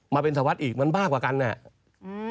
มาเป็นสวัสดิ์อีกมันมากกว่ากันเนี่ย